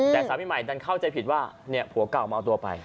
แต่สามีใหม่ดันเข้าใจผิดว่าผัวเก่ามาเอาตัวไป